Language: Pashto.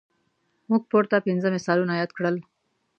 موږ پورته پنځه مثالونه یاد کړل.